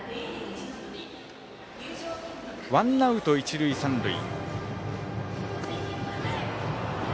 ワンアウト一塁三塁。